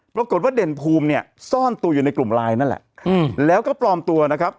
ปรากฏว่าเด่นภูมิเนี่ยซ่อนตัวอยู่ในกลุ่มไลน์นั่นแหละแล้วก็ปลอมตัวนะครับ